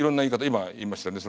今言いましたよね。